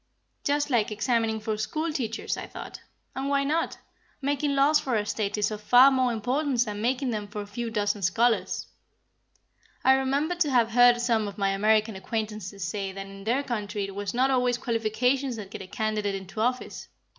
Just like examining for school teachers, I thought. And why not? Making laws for a State is of far more importance than making them for a few dozen scholars. I remembered to have heard some of my American acquaintances say that in their country it was not always qualifications that get a candidate into office.